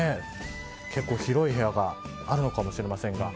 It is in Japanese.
結構広い部屋があるのかもしれませんが。